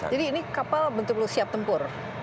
jadi ini kapal bentuknya siap tempur